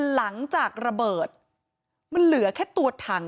หลังจากระเบิดมันเหลือแค่ตัวถัง